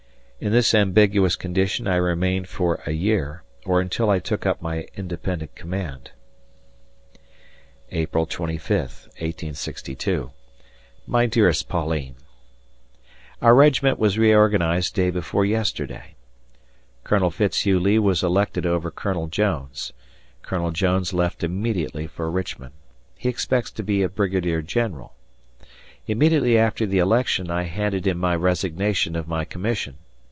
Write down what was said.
In this ambiguous condition I remained for a year, or until I took up my independent command. April 25, 1862. My dearest Pauline: Our regiment was reorganized day before yesterday. Col. [Fitzhugh] Lee was elected over Col. Jones. Col. Jones left immediately for Richmond. He expects to be a Brigadier General. Immediately after the election I handed in my resignation of my commission.